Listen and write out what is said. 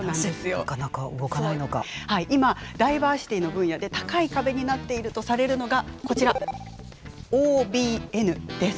今ダイバーシティーの分野で高い壁になっているとされるのがこちらＯＢＮです。